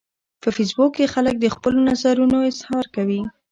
په فېسبوک کې خلک د خپلو نظرونو اظهار کوي